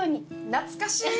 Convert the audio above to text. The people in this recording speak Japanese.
懐かしい！